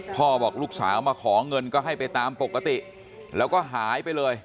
บอกลูกสาวมาขอเงินก็ให้ไปตามปกติแล้วก็หายไปเลย